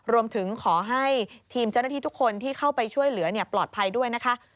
รวมถึงขอให้ทีมเจ้าหน้าที่ทุกคนที่เข้าไปช่วยเหลือปลอดภัยด้วยนะคะ